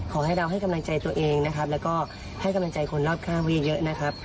ขอให้เราให้กำลังใจตัวเองและก็ให้กำลังใจคนรอบข้างเยอะ